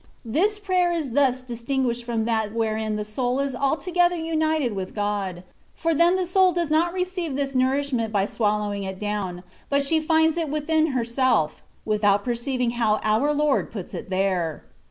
155 This prayer is thns distinguished from that wherein the soul is altogether united with God, for then the soul does not receive this nourishment by swallowing it down ; but she finds it within herself, without perceiving how our Lord puts it there.